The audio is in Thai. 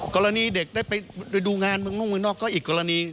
กรณีเด็กได้ไปดูงานเมืองนอกเมืองนอกก็อีกกรณี